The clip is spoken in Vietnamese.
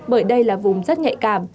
bởi đây là vùng rất nhạy cảm